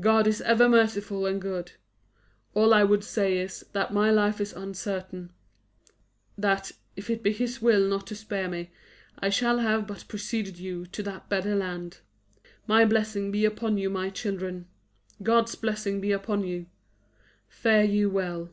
God is ever merciful and good. All I would say is, that my life is uncertain; that, if it be His will not to spare me, I shall have but preceded you to that better land. My blessing be upon you, my children! God's blessing be upon you! Fare you well."